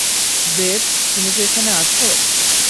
Bathe, তুমি কি এখানে আছ?